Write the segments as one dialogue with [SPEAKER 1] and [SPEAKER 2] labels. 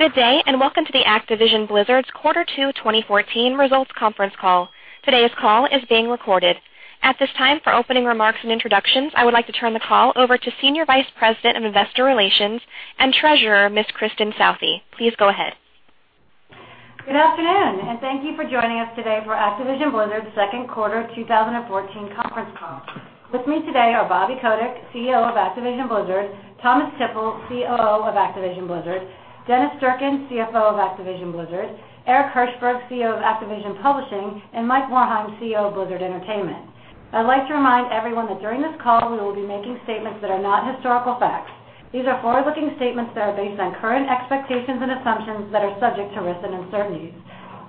[SPEAKER 1] Good day, welcome to the Activision Blizzard's Quarter 2 2014 Results Conference Call. Today's call is being recorded. At this time, for opening remarks and introductions, I would like to turn the call over to Senior Vice President of Investor Relations and Treasurer, Miss Kristin Southey. Please go ahead.
[SPEAKER 2] Good afternoon, thank you for joining us today for Activision Blizzard's second quarter 2014 conference call. With me today are Bobby Kotick, CEO of Activision Blizzard, Thomas Tippl, COO of Activision Blizzard, Dennis Durkin, CFO of Activision Blizzard, Eric Hirshberg, CEO of Activision Publishing, and Mike Morhaime, CEO of Blizzard Entertainment. I'd like to remind everyone that during this call, we will be making statements that are not historical facts. These are forward-looking statements that are based on current expectations and assumptions that are subject to risks and uncertainties.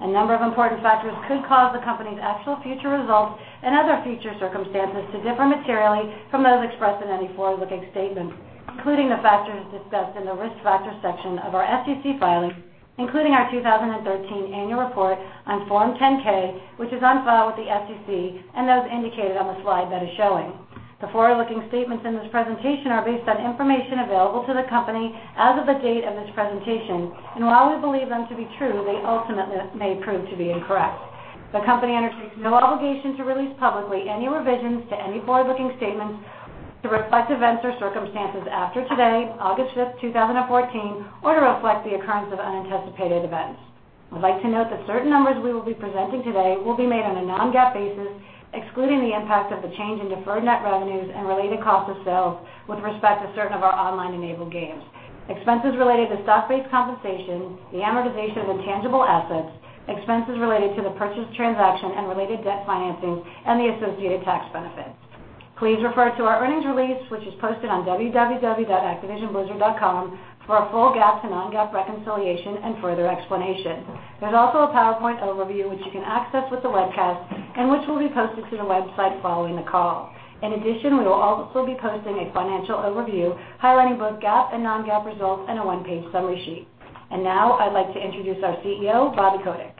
[SPEAKER 2] A number of important factors could cause the company's actual future results and other future circumstances to differ materially from those expressed in any forward-looking statement, including the factors discussed in the Risk Factors section of our SEC filings, including our 2013 annual report on Form 10-K, which is on file with the SEC and as indicated on the slide that is showing. The forward-looking statements in this presentation are based on information available to the company as of the date of this presentation. While we believe them to be true, they ultimately may prove to be incorrect. The company undertakes no obligation to release publicly any revisions to any forward-looking statements to reflect events or circumstances after today, August 5th, 2014, or to reflect the occurrence of unanticipated events. I'd like to note that certain numbers we will be presenting today will be made on a non-GAAP basis, excluding the impact of the change in deferred net revenues and related cost of sales with respect to certain of our online-enabled games, expenses related to stock-based compensation, the amortization of intangible assets, expenses related to the purchase transaction and related debt financing, and the associated tax benefits. Please refer to our earnings release, which is posted on www.activisionblizzard.com for a full GAAP to non-GAAP reconciliation and further explanation. There's also a PowerPoint overview which you can access with the webcast and which will be posted to the website following the call. In addition, we will also be posting a financial overview highlighting both GAAP and non-GAAP results in a one-page summary sheet. Now I'd like to introduce our CEO, Bobby Kotick.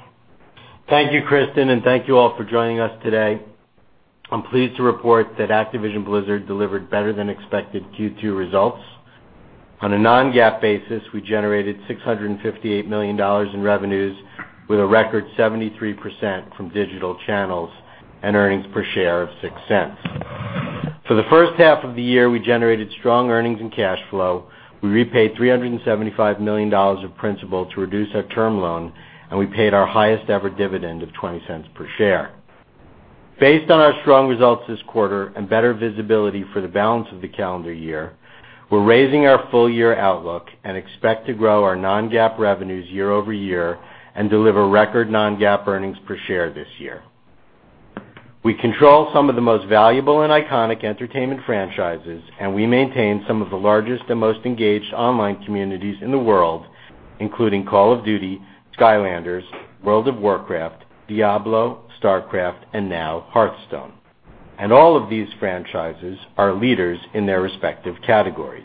[SPEAKER 3] Thank you, Kristin, and thank you all for joining us today. I'm pleased to report that Activision Blizzard delivered better-than-expected Q2 results. On a non-GAAP basis, we generated $658 million in revenues with a record 73% from digital channels, and earnings per share of $0.06. For the first half of the year, we generated strong earnings and cash flow. We repaid $375 million of principal to reduce our term loan. We paid our highest-ever dividend of $0.20 per share. Based on our strong results this quarter and better visibility for the balance of the calendar year, we're raising our full-year outlook and expect to grow our non-GAAP revenues year-over-year and deliver record non-GAAP earnings per share this year. We control some of the most valuable and iconic entertainment franchises, and we maintain some of the largest and most engaged online communities in the world, including Call of Duty, Skylanders, World of Warcraft, Diablo, StarCraft, and now Hearthstone. All of these franchises are leaders in their respective categories.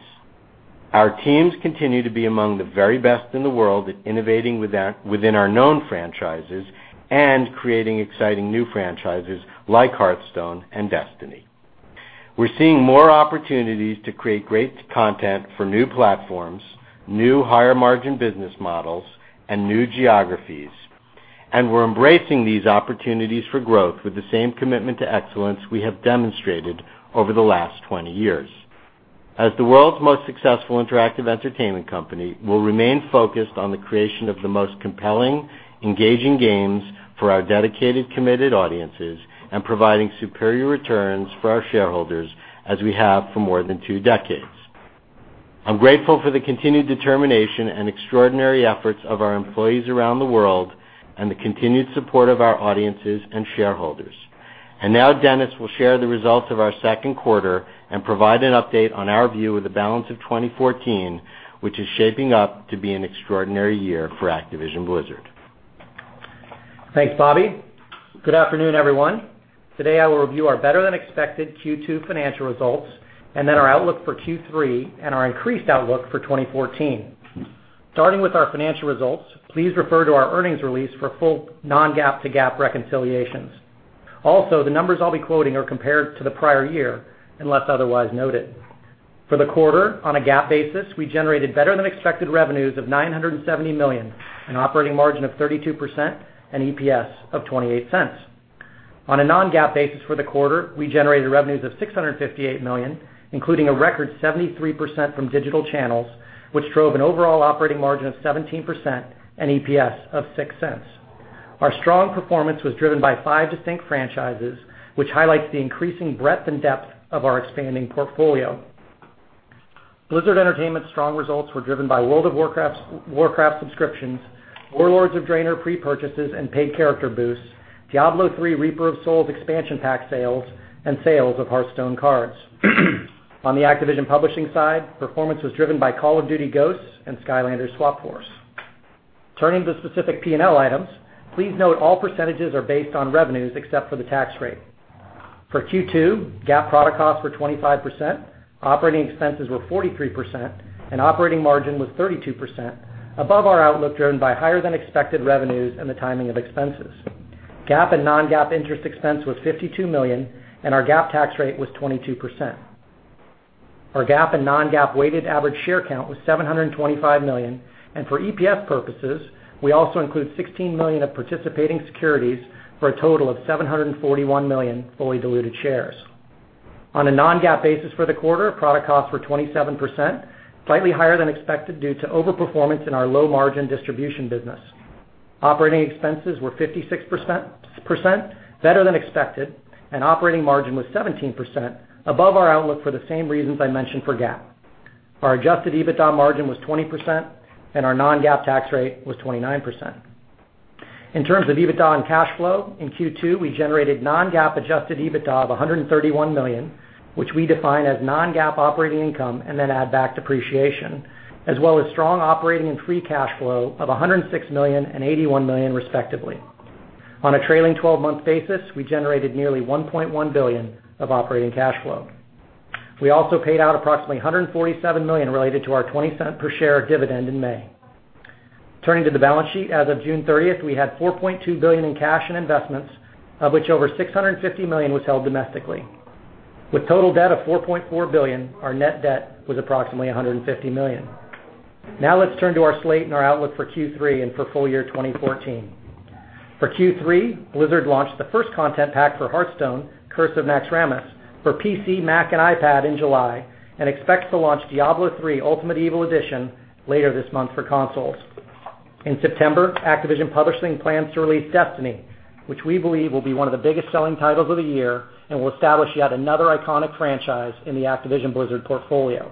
[SPEAKER 3] Our teams continue to be among the very best in the world at innovating within our known franchises and creating exciting new franchises like Hearthstone and Destiny. We're seeing more opportunities to create great content for new platforms, new higher-margin business models, and new geographies. We're embracing these opportunities for growth with the same commitment to excellence we have demonstrated over the last 20 years. As the world's most successful interactive entertainment company, we'll remain focused on the creation of the most compelling, engaging games for our dedicated, committed audiences and providing superior returns for our shareholders, as we have for more than two decades. I'm grateful for the continued determination and extraordinary efforts of our employees around the world and the continued support of our audiences and shareholders. Now Dennis will share the results of our second quarter and provide an update on our view of the balance of 2014, which is shaping up to be an extraordinary year for Activision Blizzard.
[SPEAKER 4] Thanks, Bobby. Good afternoon, everyone. Today, I will review our better-than-expected Q2 financial results and then our outlook for Q3 and our increased outlook for 2014. Starting with our financial results, please refer to our earnings release for full non-GAAP to GAAP reconciliations. Also, the numbers I'll be quoting are compared to the prior year, unless otherwise noted. For the quarter, on a GAAP basis, we generated better-than-expected revenues of $970 million, an operating margin of 32%, and EPS of $0.28. On a non-GAAP basis for the quarter, we generated revenues of $658 million, including a record 73% from digital channels, which drove an overall operating margin of 17% and EPS of $0.06. Our strong performance was driven by five distinct franchises, which highlights the increasing breadth and depth of our expanding portfolio. Blizzard Entertainment's strong results were driven by World of Warcraft subscriptions, Warlords of Draenor pre-purchases and paid character boosts, Diablo III: Reaper of Souls expansion pack sales, and sales of Hearthstone cards. On the Activision Publishing side, performance was driven by Call of Duty: Ghosts and Skylanders: SWAP Force. Turning to specific P&L items, please note all % are based on revenues except for the tax rate. For Q2, GAAP product costs were 25%, operating expenses were 43%, and operating margin was 32%, above our outlook driven by higher-than-expected revenues and the timing of expenses. GAAP and non-GAAP interest expense was $52 million, and our GAAP tax rate was 22%. Our GAAP and non-GAAP weighted average share count was 725 million, and for EPS purposes, we also include 16 million of participating securities for a total of 741 million fully diluted shares. On a non-GAAP basis for the quarter, product costs were 27%, slightly higher than expected due to over-performance in our low-margin distribution business. Operating expenses were 56% better than expected, and operating margin was 17%, above our outlook for the same reasons I mentioned for GAAP. Our adjusted EBITDA margin was 20%, and our non-GAAP tax rate was 29%. In terms of EBITDA and cash flow, in Q2, we generated non-GAAP adjusted EBITDA of $131 million, which we define as non-GAAP operating income, and then add back depreciation, as well as strong operating and free cash flow of $106 million and $81 million respectively. On a trailing 12-month basis, we generated nearly $1.1 billion of operating cash flow. We also paid out approximately $147 million related to our $0.20 per share dividend in May. Turning to the balance sheet, as of June 30th, we had $4.2 billion in cash and investments, of which over $650 million was held domestically. With total debt of $4.4 billion, our net debt was approximately $150 million. Now let's turn to our slate and our outlook for Q3 and for full year 2014. For Q3, Blizzard launched the first content pack for Hearthstone, Curse of Naxxramas, for PC, Mac, and iPad in July, and expects to launch Diablo III: Ultimate Evil Edition later this month for consoles. In September, Activision Publishing plans to release Destiny, which we believe will be one of the biggest-selling titles of the year and will establish yet another iconic franchise in the Activision Blizzard portfolio.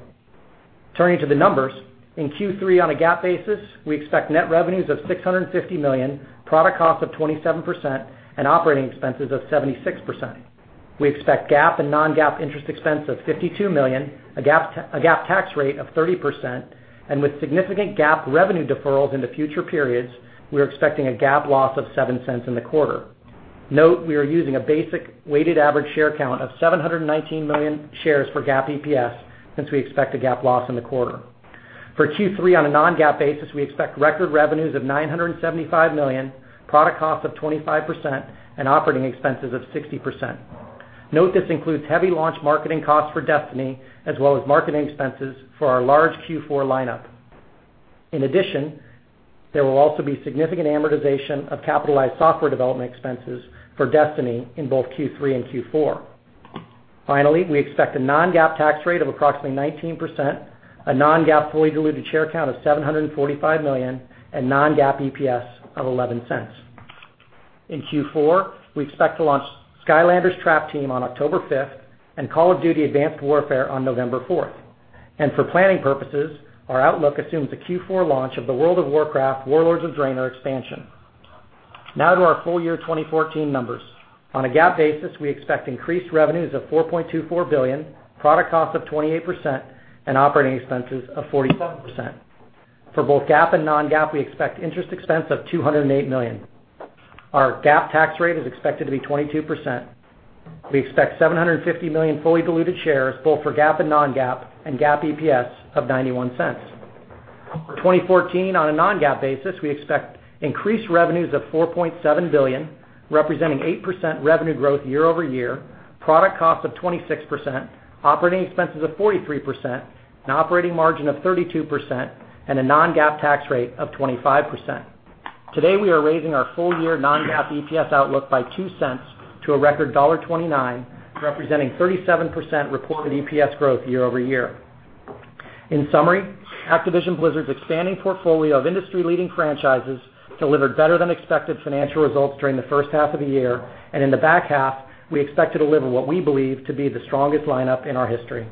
[SPEAKER 4] Turning to the numbers, in Q3 on a GAAP basis, we expect net revenues of $650 million, product cost of 27%, and operating expenses of 76%. We expect GAAP and non-GAAP interest expense of $52 million, a GAAP tax rate of 30%, and with significant GAAP revenue deferrals into future periods, we're expecting a GAAP loss of $0.07 in the quarter. Note, we are using a basic weighted average share count of 719 million shares for GAAP EPS since we expect a GAAP loss in the quarter. For Q3 on a non-GAAP basis, we expect record revenues of $975 million, product cost of 25%, and operating expenses of 60%. Note this includes heavy launch marketing costs for Destiny, as well as marketing expenses for our large Q4 lineup. In addition, there will also be significant amortization of capitalized software development expenses for Destiny in both Q3 and Q4. Finally, we expect a non-GAAP tax rate of approximately 19%, a non-GAAP fully diluted share count of 745 million, and non-GAAP EPS of $0.11. In Q4, we expect to launch Skylanders: Trap Team on October 5th and Call of Duty: Advanced Warfare on November 4th. For planning purposes, our outlook assumes a Q4 launch of the World of Warcraft: Warlords of Draenor expansion. Now to our full-year 2014 numbers. On a GAAP basis, we expect increased revenues of $4.24 billion, product cost of 28%, and operating expenses of 45%. For both GAAP and non-GAAP, we expect interest expense of $208 million. Our GAAP tax rate is expected to be 22%. We expect 750 million fully diluted shares, both for GAAP and non-GAAP, and GAAP EPS of $0.91. For 2014 on a non-GAAP basis, we expect increased revenues of $4.7 billion, representing 8% revenue growth year-over-year, product cost of 26%, operating expenses of 43%, an operating margin of 32%, and a non-GAAP tax rate of 25%. Today, we are raising our full-year non-GAAP EPS outlook by $0.02 to a record $1.29, representing 37% reported EPS growth year-over-year. In summary, Activision Blizzard's expanding portfolio of industry-leading franchises delivered better than expected financial results during the first half of the year. In the back half, we expect to deliver what we believe to be the strongest lineup in our history.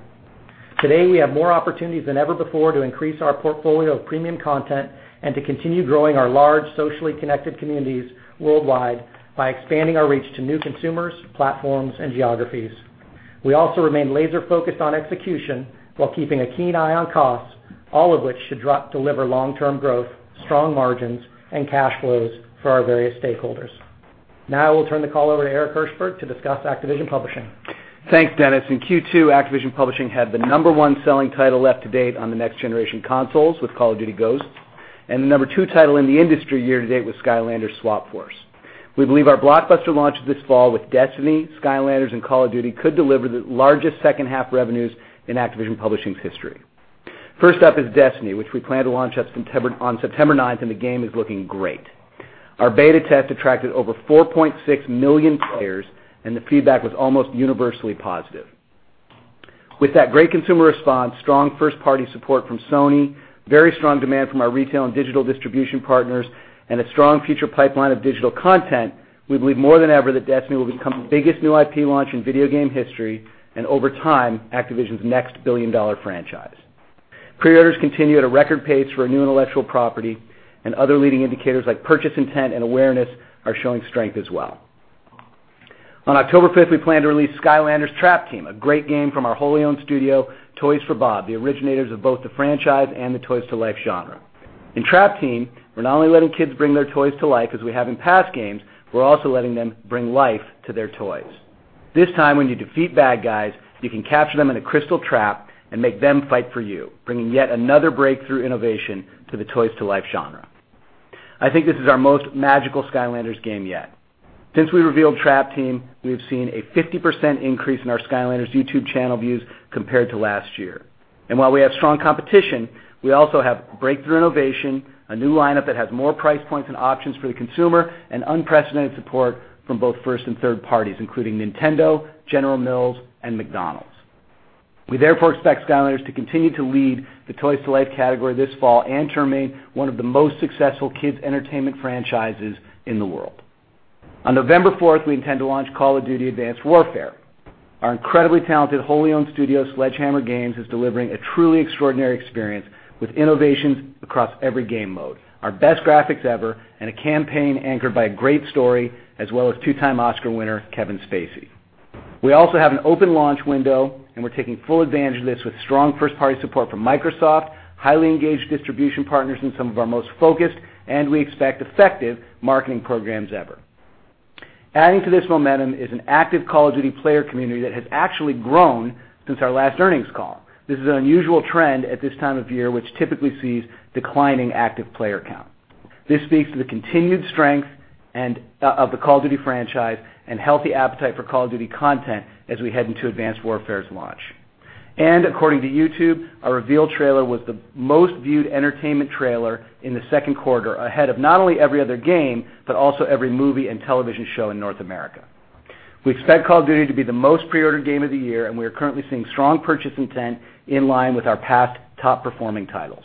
[SPEAKER 4] Today, we have more opportunities than ever before to increase our portfolio of premium content and to continue growing our large, socially connected communities worldwide by expanding our reach to new consumers, platforms, and geographies. We also remain laser-focused on execution while keeping a keen eye on costs, all of which should deliver long-term growth, strong margins, and cash flows for our various stakeholders. Now I will turn the call over to Eric Hirshberg to discuss Activision Publishing.
[SPEAKER 5] Thanks, Dennis. In Q2, Activision Publishing had the number 1 selling title year-to-date on the next-generation consoles with Call of Duty: Ghosts, and the number 2 title in the industry year-to-date with Skylanders: SWAP Force. We believe our blockbuster launch this fall with Destiny, Skylanders, and Call of Duty could deliver the largest second half revenues in Activision Publishing's history. First up is Destiny, which we plan to launch on September 9th, and the game is looking great. Our beta test attracted over 4.6 million players, and the feedback was almost universally positive. With that great consumer response, strong first-party support from Sony, very strong demand from our retail and digital distribution partners, and a strong future pipeline of digital content, we believe more than ever that Destiny will become the biggest new IP launch in video game history, and over time, Activision's next billion-dollar franchise. Pre-orders continue at a record pace for a new intellectual property, and other leading indicators like purchase intent and awareness are showing strength as well. On October 5th, we plan to release Skylanders: Trap Team, a great game from our wholly owned studio, Toys for Bob, the originators of both the franchise and the toys-to-life genre. In Trap Team, we're not only letting kids bring their toys to life as we have in past games, we're also letting them bring life to their toys. This time, when you defeat bad guys, you can capture them in a crystal trap and make them fight for you, bringing yet another breakthrough innovation to the toys-to-life genre. I think this is our most magical Skylanders game yet. Since we revealed Trap Team, we have seen a 50% increase in our Skylanders YouTube channel views compared to last year. While we have strong competition, we also have breakthrough innovation, a new lineup that has more price points and options for the consumer, and unprecedented support from both first and third parties, including Nintendo, General Mills, and McDonald's. We therefore expect Skylanders to continue to lead the toys-to-life category this fall and to remain one of the most successful kids' entertainment franchises in the world. On November 4th, we intend to launch Call of Duty: Advanced Warfare. Our incredibly talented wholly-owned studio, Sledgehammer Games, is delivering a truly extraordinary experience with innovations across every game mode, our best graphics ever, and a campaign anchored by a great story as well as two-time Oscar winner Kevin Spacey. We also have an open launch window, we're taking full advantage of this with strong first-party support from Microsoft, highly engaged distribution partners in some of our most focused, and we expect effective, marketing programs ever. Adding to this momentum is an active Call of Duty player community that has actually grown since our last earnings call. This is an unusual trend at this time of year, which typically sees declining active player count. This speaks to the continued strength of the Call of Duty franchise and healthy appetite for Call of Duty content as we head into Advanced Warfare's launch. According to YouTube, our reveal trailer was the most viewed entertainment trailer in the second quarter, ahead of not only every other game, but also every movie and television show in North America. We expect Call of Duty to be the most pre-ordered game of the year, we are currently seeing strong purchase intent in line with our past top-performing titles.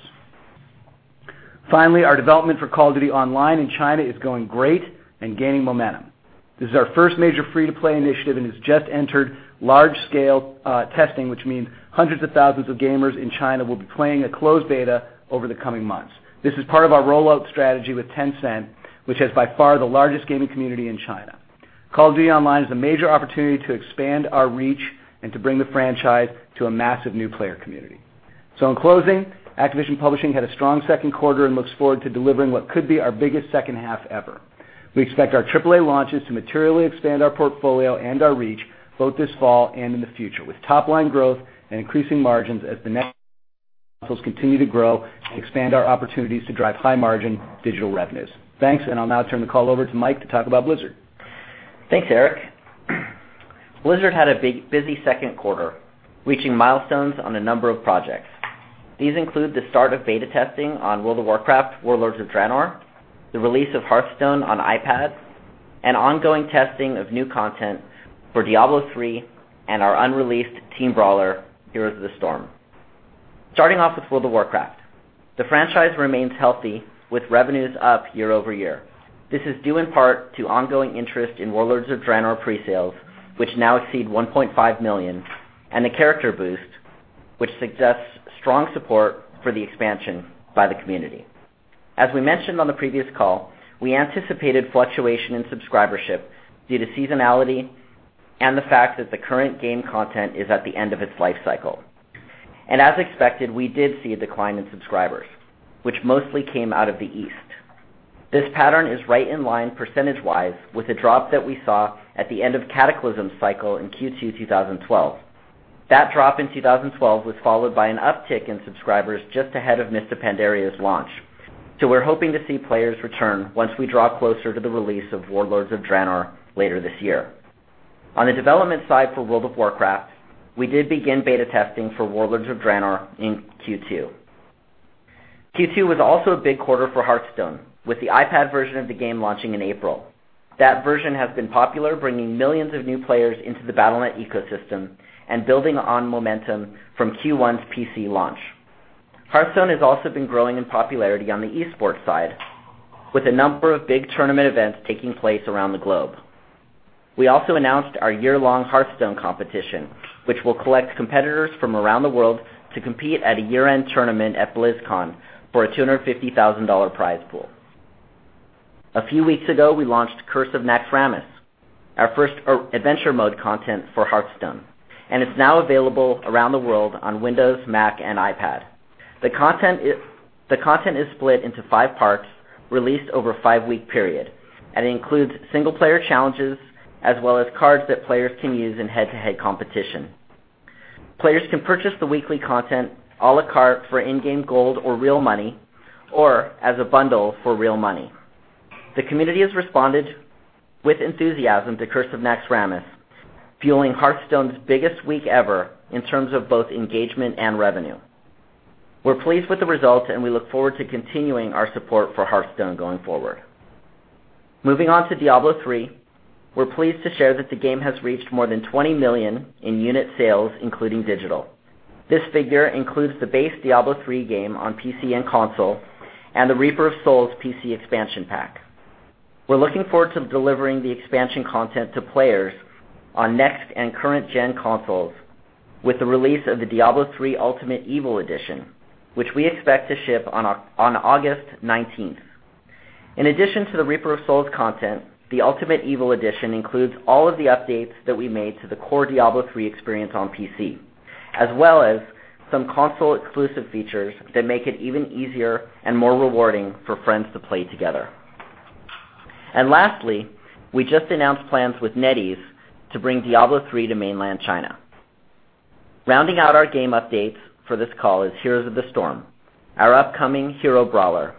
[SPEAKER 5] Finally, our development for Call of Duty Online in China is going great and gaining momentum. This is our first major free-to-play initiative, and it's just entered large-scale testing, which means hundreds of thousands of gamers in China will be playing a closed beta over the coming months. This is part of our rollout strategy with Tencent, which has by far the largest gaming community in China. Call of Duty Online is a major opportunity to expand our reach and to bring the franchise to a massive new player community. In closing, Activision Publishing had a strong second quarter and looks forward to delivering what could be our biggest second half ever. We expect our AAA launches to materially expand our portfolio and our reach both this fall and in the future, with top-line growth and increasing margins as the next consoles continue to grow and expand our opportunities to drive high-margin digital revenues. Thanks. I'll now turn the call over to Mike to talk about Blizzard.
[SPEAKER 6] Thanks, Eric. Blizzard had a big, busy second quarter, reaching milestones on a number of projects. These include the start of beta testing on World of Warcraft: Warlords of Draenor, the release of Hearthstone on iPad, and ongoing testing of new content for Diablo III and our unreleased team brawler, Heroes of the Storm. Starting off with World of Warcraft, the franchise remains healthy with revenues up year-over-year. This is due in part to ongoing interest in Warlords of Draenor presales, which now exceed $1.5 million, and the character boost, which suggests strong support for the expansion by the community. As we mentioned on the previous call, we anticipated fluctuation in subscribership due to seasonality and the fact that the current game content is at the end of its life cycle. As expected, we did see a decline in subscribers, which mostly came out of the East. This pattern is right in line percentage-wise with the drop that we saw at the end of Cataclysm's cycle in Q2 2012. That drop in 2012 was followed by an uptick in subscribers just ahead of Mists of Pandaria's launch. We're hoping to see players return once we draw closer to the release of Warlords of Draenor later this year. On the development side for World of Warcraft, we did begin beta testing for Warlords of Draenor in Q2. Q2 was also a big quarter for Hearthstone, with the iPad version of the game launching in April. That version has been popular, bringing millions of new players into the Battle.net ecosystem and building on momentum from Q1's PC launch. Hearthstone has also been growing in popularity on the esports side, with a number of big tournament events taking place around the globe. We also announced our year-long Hearthstone competition, which will collect competitors from around the world to compete at a year-end tournament at BlizzCon for a $250,000 prize pool. A few weeks ago, we launched Curse of Naxxramas, our first adventure mode content for Hearthstone, and it's now available around the world on Windows, Mac, and iPad. The content is split into five parts, released over a five-week period, and includes single-player challenges, as well as cards that players can use in head-to-head competition. Players can purchase the weekly content a la carte for in-game gold or real money, or as a bundle for real money. The community has responded with enthusiasm to Curse of Naxxramas, fueling Hearthstone's biggest week ever in terms of both engagement and revenue. We're pleased with the results, we look forward to continuing our support for Hearthstone going forward. Moving on to Diablo III, we're pleased to share that the game has reached more than 20 million in unit sales, including digital. This figure includes the base Diablo III game on PC and console and the Reaper of Souls PC expansion pack. We're looking forward to delivering the expansion content to players on next and current-gen consoles with the release of the Diablo III: Ultimate Evil Edition, which we expect to ship on August 19th. In addition to the Reaper of Souls content, the Ultimate Evil Edition includes all of the updates that we made to the core Diablo III experience on PC, as well as some console-exclusive features that make it even easier and more rewarding for friends to play together. Lastly, we just announced plans with NetEase to bring Diablo III to mainland China. Rounding out our game updates for this call is Heroes of the Storm, our upcoming hero brawler.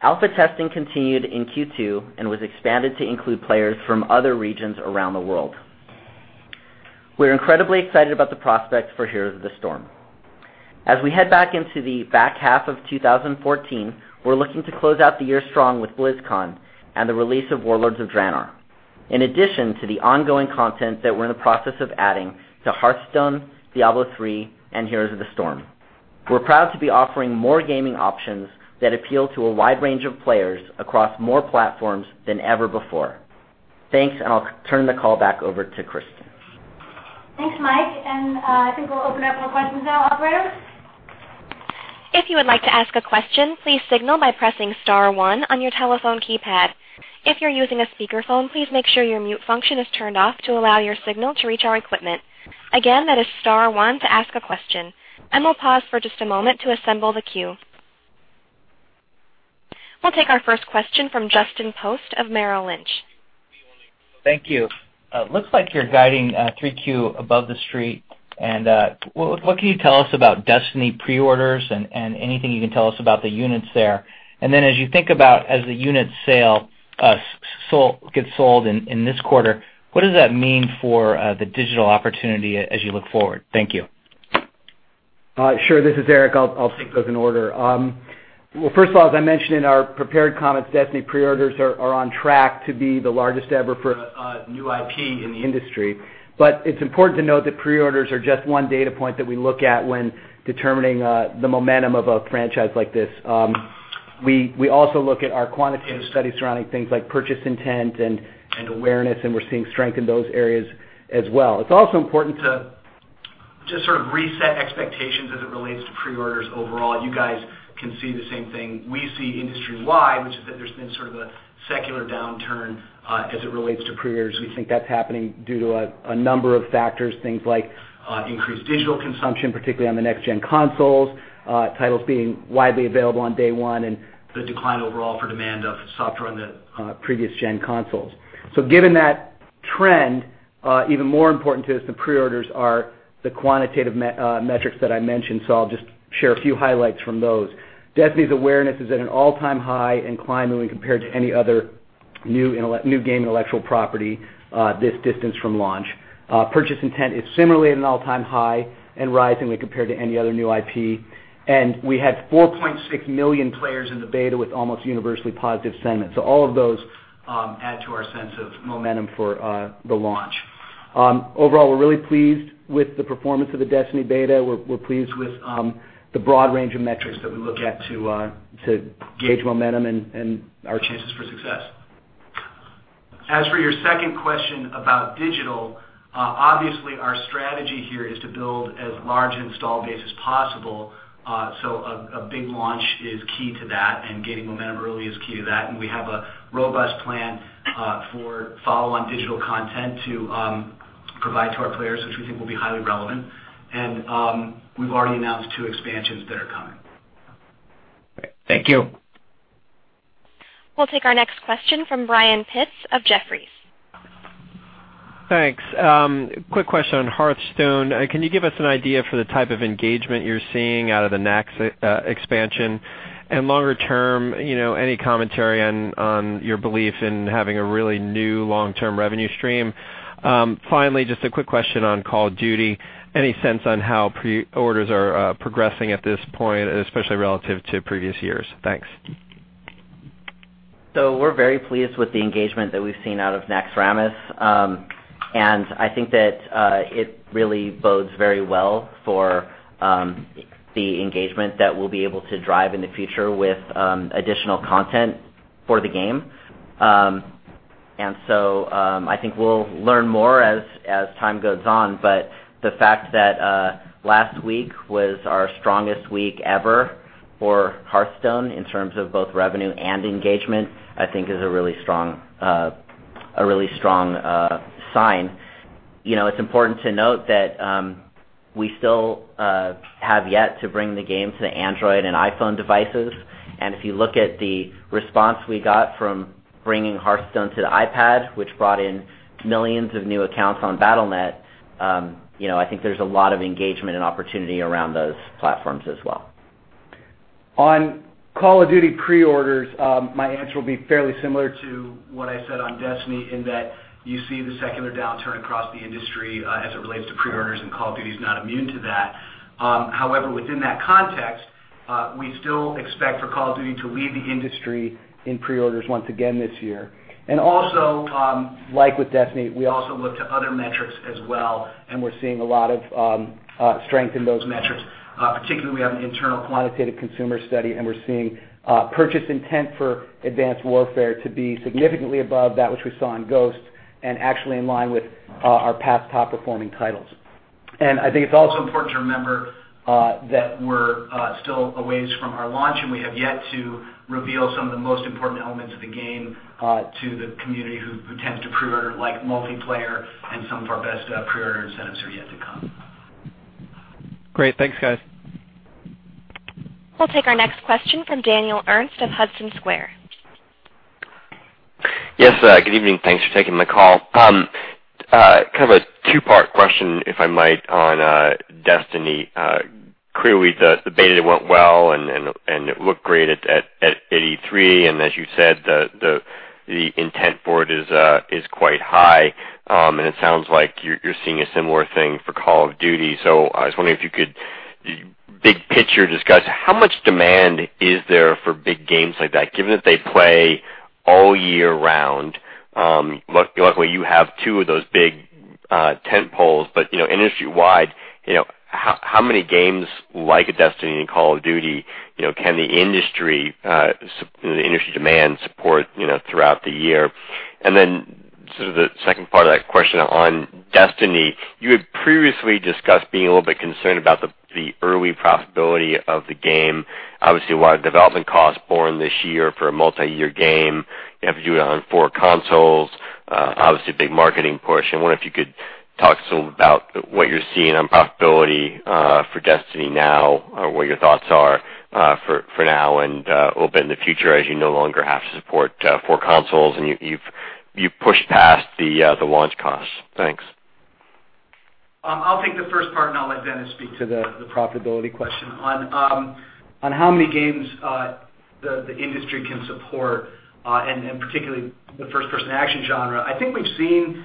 [SPEAKER 6] Alpha testing continued in Q2 and was expanded to include players from other regions around the world. We're incredibly excited about the prospects for Heroes of the Storm. As we head back into the back half of 2014, we're looking to close out the year strong with BlizzCon and the release of Warlords of Draenor. In addition to the ongoing content that we're in the process of adding to Hearthstone, Diablo III, and Heroes of the Storm. We're proud to be offering more gaming options that appeal to a wide range of players across more platforms than ever before. Thanks, and I'll turn the call back over to Kristin.
[SPEAKER 2] Thanks, Mike. I think we'll open up for questions now, operator.
[SPEAKER 1] If you would like to ask a question, please signal by pressing star one on your telephone keypad. If you're using a speakerphone, please make sure your mute function is turned off to allow your signal to reach our equipment. Again, that is star one to ask a question. We'll pause for just a moment to assemble the queue. We'll take our first question from Justin Post of Merrill Lynch.
[SPEAKER 7] Thank you. Looks like you're guiding 3Q above the street. What can you tell us about Destiny pre-orders and anything you can tell us about the units there? As you think about as the unit sale gets sold in this quarter, what does that mean for the digital opportunity as you look forward? Thank you.
[SPEAKER 5] Sure. This is Eric. I will take those in order. Well, first of all, as I mentioned in our prepared comments, Destiny pre-orders are on track to be the largest ever for a new IP in the industry. It is important to note that pre-orders are just one data point that we look at when determining the momentum of a franchise like this. We also look at our quantitative studies surrounding things like purchase intent and awareness, we are seeing strength in those areas as well. It is also important to just sort of reset expectations as it relates to pre-orders overall. You guys can see the same thing we see industry-wide, which is that there has been sort of a secular downturn as it relates to pre-orders. We think that is happening due to a number of factors, things like increased digital consumption, particularly on the next-gen consoles, titles being widely available on day one, and the decline overall for demand of software on the previous-gen consoles. Given that trend, even more important to us than pre-orders are the quantitative metrics that I mentioned. I will just share a few highlights from those. Destiny's awareness is at an all-time high and climbing when compared to any other new game intellectual property this distance from launch. Purchase intent is similarly at an all-time high and rising when compared to any other new IP. We had 4.6 million players in the beta with almost universally positive sentiment. All of those add to our sense of momentum for the launch. Overall, we are really pleased with the performance of the Destiny beta. We are pleased with the broad range of metrics that we look at to gauge momentum and our chances for success. As for your second question about digital, obviously, our strategy here is to build as large install base as possible, a big launch is key to that, gaining momentum early is key to that. We have a robust plan for follow-on digital content to provide to our players, which we think will be highly relevant. We have already announced two expansions that are coming.
[SPEAKER 7] Great. Thank you.
[SPEAKER 1] We'll take our next question from Brian Pitz of Jefferies.
[SPEAKER 8] Thanks. Quick question on Hearthstone. Can you give us an idea for the type of engagement you're seeing out of the Naxx expansion? Longer term, any commentary on your belief in having a really new long-term revenue stream? Finally, just a quick question on Call of Duty. Any sense on how pre-orders are progressing at this point, especially relative to previous years? Thanks.
[SPEAKER 6] We're very pleased with the engagement that we've seen out of Naxxramas. I think that it really bodes very well for the engagement that we'll be able to drive in the future with additional content for the game. I think we'll learn more as time goes on. The fact that last week was our strongest week ever for Hearthstone in terms of both revenue and engagement, I think, is a really strong sign. It's important to note that we still have yet to bring the game to the Android and iPhone devices, and if you look at the response we got from bringing Hearthstone to the iPad, which brought in millions of new accounts on Battle.net, I think there's a lot of engagement and opportunity around those platforms as well.
[SPEAKER 5] On Call of Duty pre-orders, my answer will be fairly similar to what I said on Destiny in that you see the secular downturn across the industry as it relates to pre-orders, Call of Duty is not immune to that. However, within that context, we still expect for Call of Duty to lead the industry in pre-orders once again this year. Also, like with Destiny, we also look to other metrics as well, and we're seeing a lot of strength in those metrics. Particularly, we have an internal quantitative consumer study, and we're seeing purchase intent for Advanced Warfare to be significantly above that which we saw in Ghosts, and actually in line with our past top-performing titles. I think it's also important to remember that we're still a ways from our launch, and we have yet to reveal some of the most important elements of the game to the community who tends to pre-order, like multiplayer, and some of our best pre-order incentives are yet to come.
[SPEAKER 8] Great. Thanks, guys.
[SPEAKER 1] We'll take our next question from Daniel Ernst of Hudson Square.
[SPEAKER 9] Yes, good evening. Thanks for taking my call. Kind of a two-part question, if I might, on Destiny. Clearly, the beta went well, and it looked great at E3. As you said, the intent for it is quite high. It sounds like you're seeing a similar thing for Call of Duty. I was wondering if you could, big picture, discuss how much demand is there for big games like that, given that they play all year round. Luckily, you have two of those big tent poles, but industry-wide, how many games like a Destiny and Call of Duty can the industry demand support throughout the year? Then sort of the second part of that question on Destiny, you had previously discussed being a little bit concerned about the early profitability of the game. Obviously, a lot of development costs borne this year for a multi-year game. You have to do it on four consoles, obviously a big marketing push. I wonder if you could talk some about what you're seeing on profitability for Destiny now, or what your thoughts are for now and a little bit in the future as you no longer have to support four consoles and you've pushed past the launch costs. Thanks.
[SPEAKER 5] I'll take the first part. I'll let Dennis speak to the profitability question. On how many games the industry can support, and particularly the first-person action genre, I think we've seen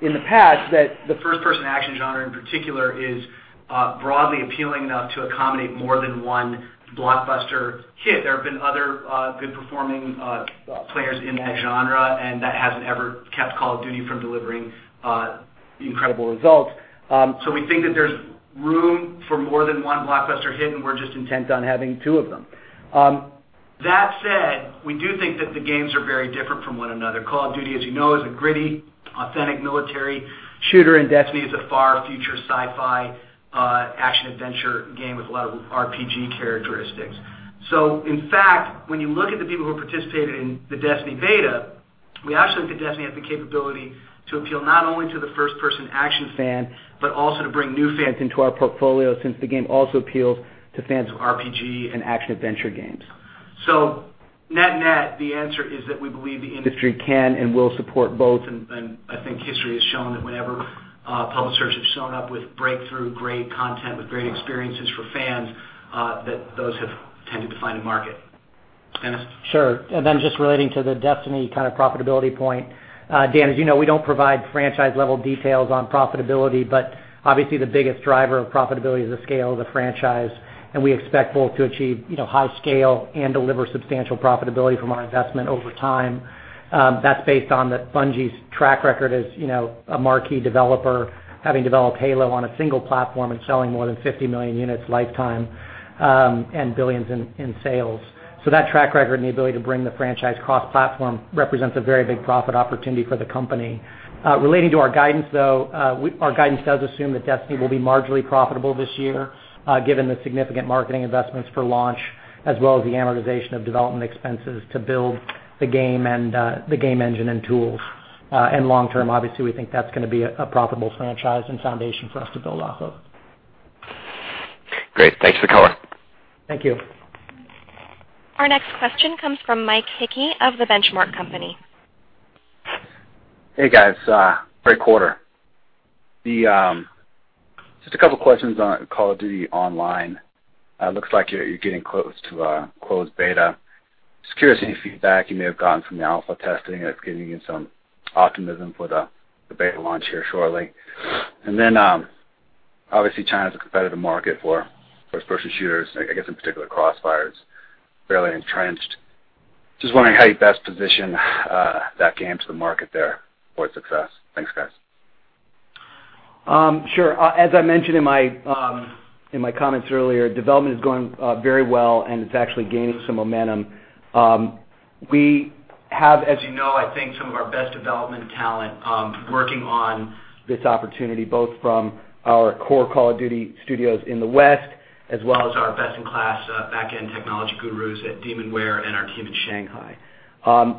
[SPEAKER 5] in the past that the first-person action genre, in particular, is broadly appealing enough to accommodate more than one blockbuster hit. There have been other good-performing players in that genre, and that hasn't ever kept Call of Duty from delivering incredible results. We think that there's room for more than one blockbuster hit, and we're just intent on having two of them. That said, we do think that the games are very different from one another. Call of Duty, as you know, is a gritty, authentic military shooter, and Destiny is a far future sci-fi action adventure game with a lot of RPG characteristics. In fact, when you look at the people who participated in the Destiny beta, we actually think that Destiny has the capability to appeal not only to the first-person action fan but also to bring new fans into our portfolio, since the game also appeals to fans of RPG and action-adventure games. Net-net, the answer is that we believe the industry can and will support both. I think history has shown that whenever publishers have shown up with breakthrough great content, with great experiences for fans, that those have tended to find a market. Dennis?
[SPEAKER 4] Sure. Just relating to the Destiny kind of profitability point. Dan, as you know, we don't provide franchise-level details on profitability, but obviously the biggest driver of profitability is the scale of the franchise, and we expect both to achieve high scale and deliver substantial profitability from our investment over time. That's based on Bungie's track record as a marquee developer, having developed Halo on a single platform and selling more than 50 million units lifetime, and billions in sales. That track record and the ability to bring the franchise cross-platform represents a very big profit opportunity for the company. Relating to our guidance, though, our guidance does assume that Destiny will be marginally profitable this year, given the significant marketing investments for launch as well as the amortization of development expenses to build the game and the game engine and tools. Long term, obviously, we think that's going to be a profitable franchise and foundation for us to build off of.
[SPEAKER 9] Great. Thanks for the color.
[SPEAKER 4] Thank you.
[SPEAKER 1] Our next question comes from Mike Hickey of The Benchmark Company.
[SPEAKER 10] Hey, guys. Great quarter. Just a couple of questions on Call of Duty Online. Looks like you're getting close to a closed beta. Just curious any feedback you may have gotten from the alpha testing that's giving you some optimism for the beta launch here shortly. Obviously, China is a competitive market for first-person shooters. I guess in particular, CrossFire is fairly entrenched. Just wondering how you best position that game to the market there for its success. Thanks, guys.
[SPEAKER 5] Sure. As I mentioned in my comments earlier, development is going very well, and it's actually gaining some momentum. We have, as you know, I think, some of our best development talent working on this opportunity, both from our core Call of Duty studios in the West as well as our best-in-class back-end technology gurus at Demonware and our team in Shanghai.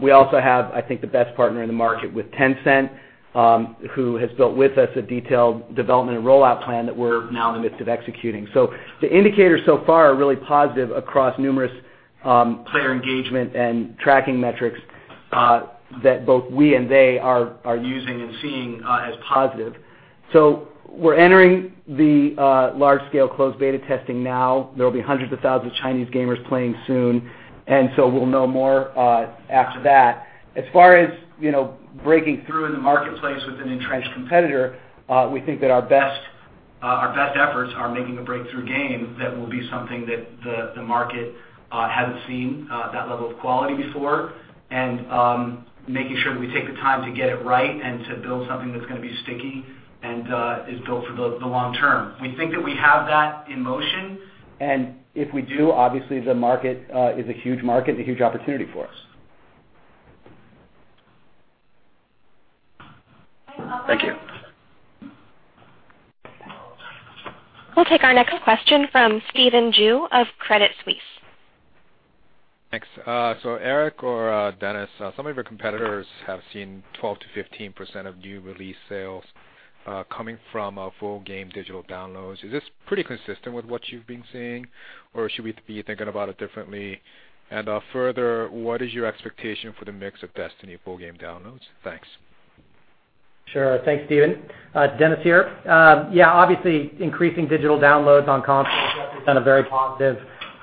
[SPEAKER 5] We also have, I think, the best partner in the market with Tencent, who has built with us a detailed development and rollout plan that we're now in the midst of executing. The indicators so far are really positive across numerous player engagement and tracking metrics that both we and they are using and seeing as positive. We're entering the large-scale closed beta testing now. There will be hundreds of thousands of Chinese gamers playing soon, and so we'll know more after that. As far as breaking through in the marketplace with an entrenched competitor, we think that our best efforts are making a breakthrough game that will be something that the market hasn't seen that level of quality before, and making sure that we take the time to get it right and to build something that's going to be sticky and is built for the long term. We think that we have that in motion, and if we do, obviously, the market is a huge market and a huge opportunity for us.
[SPEAKER 10] Thank you.
[SPEAKER 1] We'll take our next question from Stephen Ju of Credit Suisse.
[SPEAKER 11] Thanks. Eric or Dennis, some of your competitors have seen 12%-15% of new release sales coming from full game digital downloads. Is this pretty consistent with what you've been seeing, or should we be thinking about it differently? Further, what is your expectation for the mix of Destiny full game downloads? Thanks.
[SPEAKER 4] Sure. Thanks, Stephen. Dennis here. Obviously, increasing digital downloads on consoles represent a very positive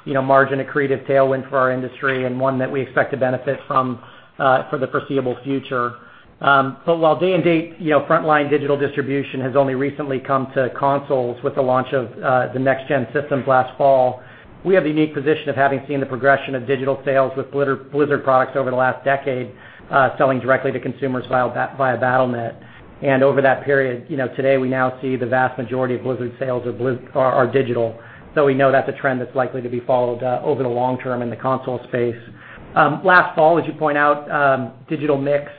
[SPEAKER 4] margin, accretive tailwind for our industry, and one that we expect to benefit from for the foreseeable future. While day-and-date frontline digital distribution has only recently come to consoles with the launch of the next-gen systems last fall, we have the unique position of having seen the progression of digital sales with Blizzard products over the last decade selling directly to consumers via Battle.net. Over that period, today we now see the vast majority of Blizzard sales are digital. We know that's a trend that's likely to be followed over the long term in the console space. Last fall, as you point out, digital mix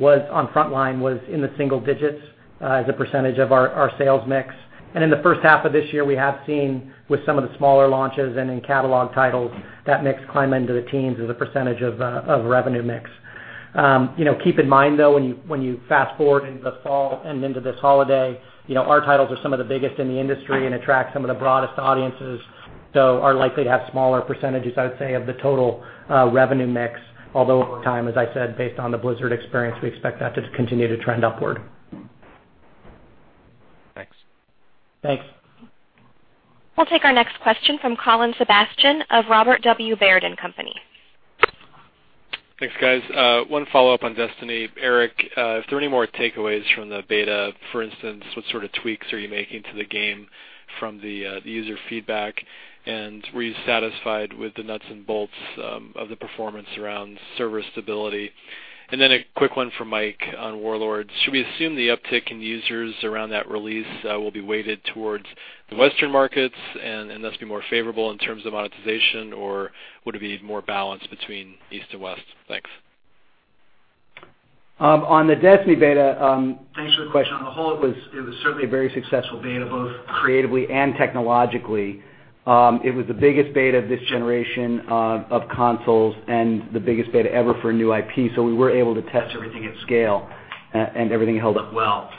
[SPEAKER 4] on frontline was in the single digits as a percentage of our sales mix. In the first half of this year, we have seen with some of the smaller launches and in catalog titles, that mix climb into the teens as a percentage of revenue mix. Keep in mind, though, when you fast-forward into the fall and into this holiday, our titles are some of the biggest in the industry and attract some of the broadest audiences. Are likely to have smaller percentages, I would say, of the total revenue mix. Although over time, as I said, based on the Blizzard experience, we expect that to continue to trend upward.
[SPEAKER 11] Thanks.
[SPEAKER 4] Thanks.
[SPEAKER 1] We'll take our next question from Colin Sebastian of Robert W. Baird & Co..
[SPEAKER 12] Thanks, guys. One follow-up on "Destiny." Eric, if there are any more takeaways from the beta, for instance, what sort of tweaks are you making to the game from the user feedback? Were you satisfied with the nuts and bolts of the performance around server stability? Then a quick one for Mike on "Warlords." Should we assume the uptick in users around that release will be weighted towards the Western markets and thus be more favorable in terms of monetization, or would it be more balanced between East and West? Thanks.
[SPEAKER 5] On the "Destiny" beta, thanks for the question. On the whole, it was certainly a very successful beta, both creatively and technologically. It was the biggest beta of this generation of consoles and the biggest beta ever for a new IP, we were able to test everything at scale, everything held up well.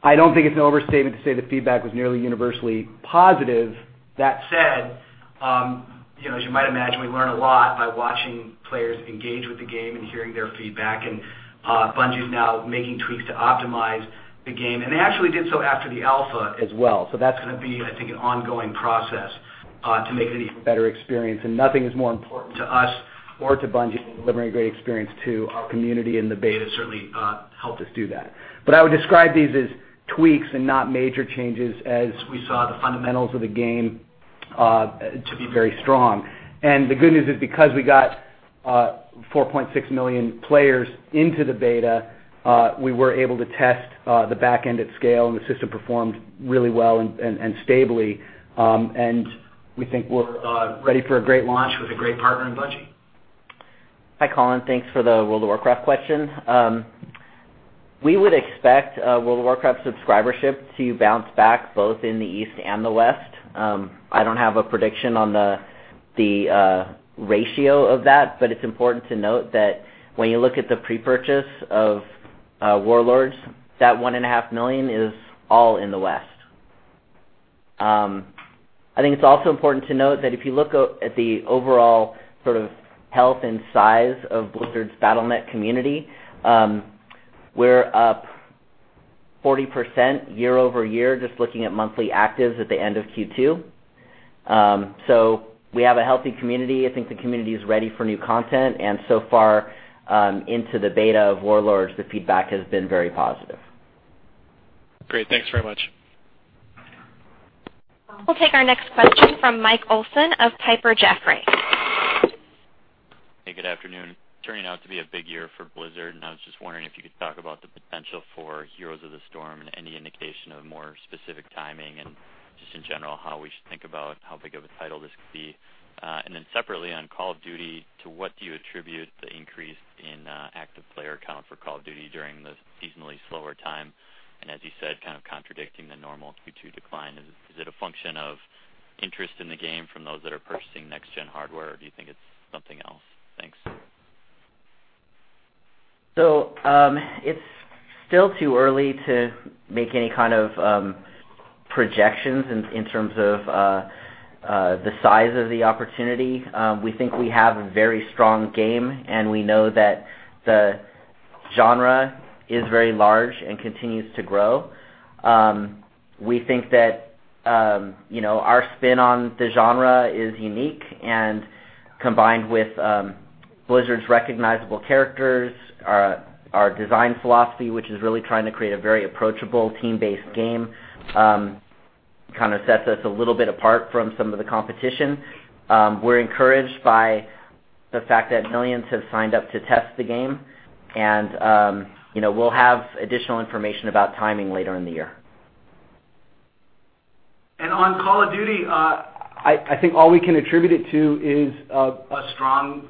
[SPEAKER 5] I don't think it's an overstatement to say the feedback was nearly universally positive. That said, as you might imagine, we learn a lot by watching players engage with the game and hearing their feedback, Bungie's now making tweaks to optimize the game. They actually did so after the alpha as well. That's going to be, I think, an ongoing process to make it an even better experience. Nothing is more important to us or to Bungie than delivering a great experience to our community, the beta certainly helped us do that. I would describe these as tweaks and not major changes, as we saw the fundamentals of the game to be very strong. The good news is because we got 4.6 million players into the beta, we were able to test the back end at scale, the system performed really well and stably. We think we're ready for a great launch with a great partner in Bungie.
[SPEAKER 6] Hi, Colin. Thanks for the World of Warcraft question. We would expect World of Warcraft subscribership to bounce back both in the East and the West. I don't have a prediction on the ratio of that, but it's important to note that when you look at the pre-purchase of Warlords, that 1.5 million is all in the West. I think it's also important to note that if you look at the overall sort of health and size of Blizzard's Battle.net community, we're up 40% year-over-year, just looking at monthly actives at the end of Q2. We have a healthy community. I think the community is ready for new content, and so far into the beta of Warlords, the feedback has been very positive.
[SPEAKER 12] Great. Thanks very much.
[SPEAKER 1] We'll take our next question from Michael Olson of Piper Jaffray.
[SPEAKER 13] Hey, good afternoon. Turning out to be a big year for Blizzard, I was just wondering if you could talk about the potential for Heroes of the Storm and any indication of more specific timing and just in general, how we should think about how big of a title this could be. Separately, on Call of Duty, to what do you attribute the increase in active player count for Call of Duty during the seasonally slower time? As you said, kind of contradicting the normal Q2 decline. Is it a function of interest in the game from those that are purchasing next-gen hardware, or do you think it's something else? Thanks.
[SPEAKER 6] It's still too early to make any kind of projections in terms of the size of the opportunity. We think we have a very strong game, and we know that the genre is very large and continues to grow. We think that our spin on the genre is unique and combined with Blizzard's recognizable characters, our design philosophy, which is really trying to create a very approachable team-based game, kind of sets us a little bit apart from some of the competition. We're encouraged by the fact that millions have signed up to test the game, and we'll have additional information about timing later in the year.
[SPEAKER 5] On "Call of Duty," I think all we can attribute it to is a strong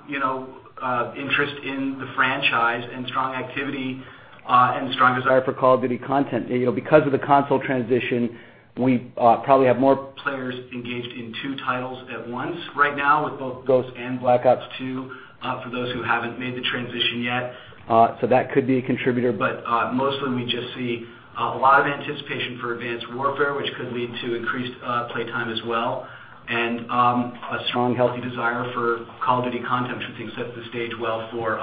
[SPEAKER 5] interest in the franchise and strong activity, and strong desire for "Call of Duty" content. Because of the console transition, we probably have more players engaged in two titles at once right now with both "Ghosts" and "Black Ops II," for those who haven't made the transition yet. That could be a contributor, but mostly we just see a lot of anticipation for "Advanced Warfare," which could lead to increased play time as well, and a strong, healthy desire for "Call of Duty" content, which I think sets the stage well for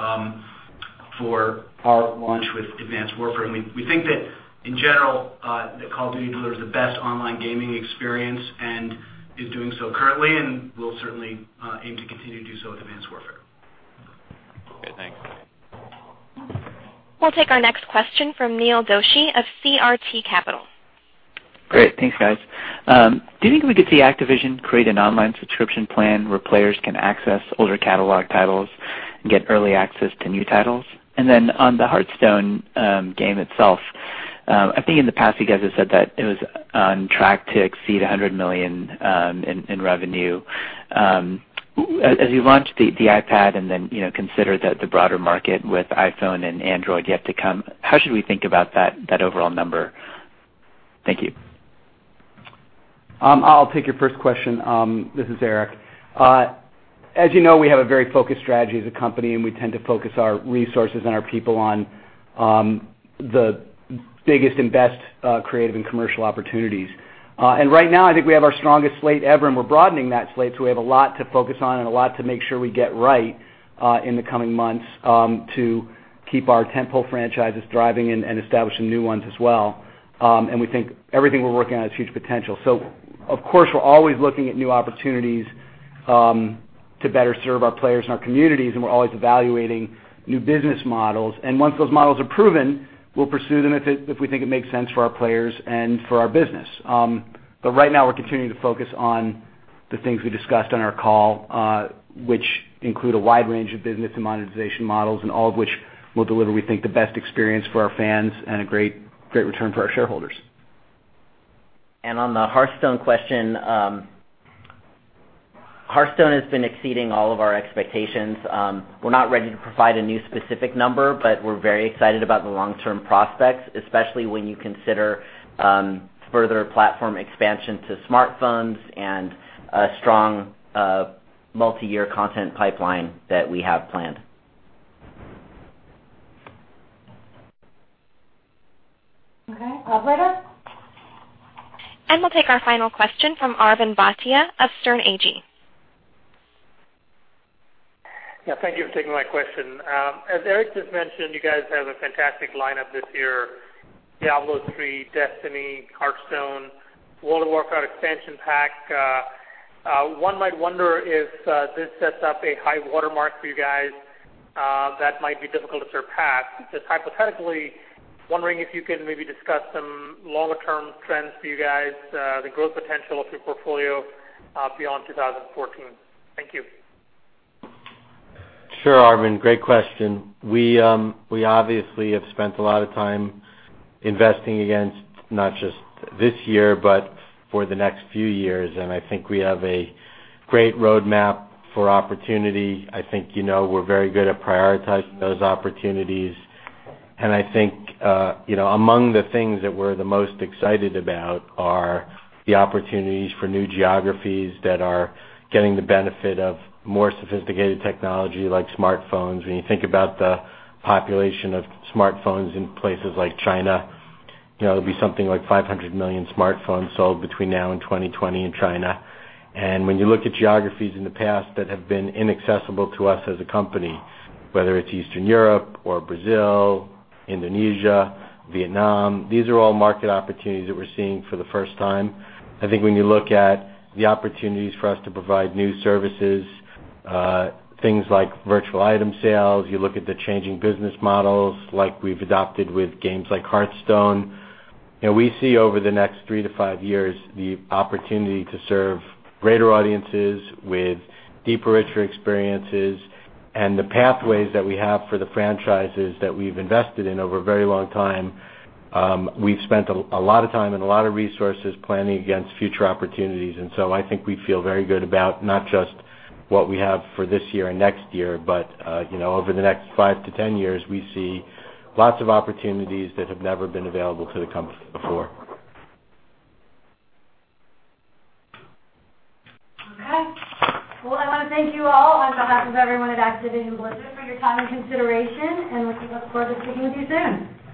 [SPEAKER 5] our launch with "Advanced Warfare." We think that, in general, that "Call of Duty" delivers the best online gaming experience and is doing so currently, and will certainly aim to continue to do so with "Advanced Warfare.
[SPEAKER 13] Okay, thanks.
[SPEAKER 2] We'll take our next question from Neil Doshi of CRT Capital.
[SPEAKER 14] Great. Thanks, guys. Do you think we could see Activision create an online subscription plan where players can access older catalog titles and get early access to new titles? On the Hearthstone game itself, I think in the past, you guys have said that it was on track to exceed $100 million in revenue. As you launch the iPad, consider the broader market with iPhone and Android yet to come, how should we think about that overall number? Thank you.
[SPEAKER 5] I'll take your first question. This is Eric. As you know, we have a very focused strategy as a company, we tend to focus our resources and our people on the biggest and best creative and commercial opportunities. Right now, I think we have our strongest slate ever, we're broadening that slate. We have a lot to focus on and a lot to make sure we get right in the coming months, to keep our tentpole franchises thriving and establishing new ones as well. We think everything we're working on has huge potential. Of course, we're always looking at new opportunities to better serve our players and our communities, we're always evaluating new business models. Once those models are proven, we'll pursue them if we think it makes sense for our players and for our business. Right now, we're continuing to focus on the things we discussed on our call, which include a wide range of business and monetization models, all of which will deliver, we think, the best experience for our fans and a great return for our shareholders.
[SPEAKER 6] On the Hearthstone question, Hearthstone has been exceeding all of our expectations. We're not ready to provide a new specific number, we're very excited about the long-term prospects, especially when you consider further platform expansion to smartphones and a strong multi-year content pipeline that we have planned.
[SPEAKER 2] Okay. Operator? We'll take our final question from Arvind Bhatia of Sterne Agee.
[SPEAKER 15] Yeah, thank you for taking my question. As Eric just mentioned, you guys have a fantastic lineup this year, Diablo III, Destiny, Hearthstone, World of Warcraft expansion pack. One might wonder if this sets up a high watermark for you guys that might be difficult to surpass. Just hypothetically, wondering if you could maybe discuss some longer term trends for you guys, the growth potential of your portfolio beyond 2014. Thank you.
[SPEAKER 3] Sure, Arvind. Great question. We obviously have spent a lot of time investing against not just this year, but for the next few years, and I think we have a great roadmap for opportunity. I think you know we're very good at prioritizing those opportunities. I think among the things that we're the most excited about are the opportunities for new geographies that are getting the benefit of more sophisticated technology like smartphones. When you think about the population of smartphones in places like China, it'll be something like 500 million smartphones sold between now and 2020 in China. When you look at geographies in the past that have been inaccessible to us as a company, whether it's Eastern Europe or Brazil, Indonesia, Vietnam, these are all market opportunities that we're seeing for the first time. I think when you look at the opportunities for us to provide new services, things like virtual item sales, you look at the changing business models like we've adopted with games like Hearthstone, we see over the next three to five years the opportunity to serve greater audiences with deeper, richer experiences and the pathways that we have for the franchises that we've invested in over a very long time. We've spent a lot of time and a lot of resources planning against future opportunities. I think we feel very good about not just what we have for this year and next year, but over the next five to 10 years, we see lots of opportunities that have never been available to the company before.
[SPEAKER 2] Okay. Well, I want to thank you all on behalf of everyone at Activision Blizzard for your time and consideration, and we look forward to speaking with you soon.